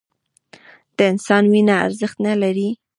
د انسان وینه ارزښت نه لري